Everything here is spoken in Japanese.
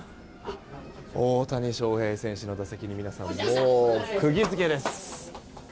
大谷翔平選手の打席に皆さん、もう釘付けです。